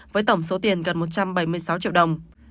với tổng số tiền gần một trăm bảy mươi sáu triệu đồng